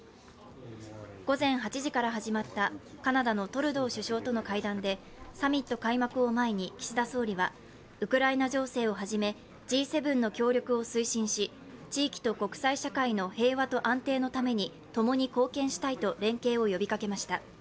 午前８時から始まったカナダのトルドー首相との会談でサミット開幕を前に岸田総理はウクライナ情勢をはじめＧ７の協力を推進し地域と国際社会の平和と安定のためにともに貢献したいと連携を呼びかけました。